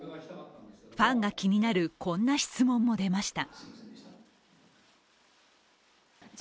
ファンが気になるこんな質問も出ました。